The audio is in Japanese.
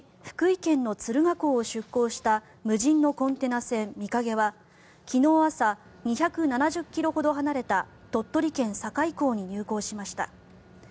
福井県の敦賀港を出港した無人のコンテナ船「みかげ」は昨日朝、２７０ｋｍほど離れた鳥取県・境港に入港しました。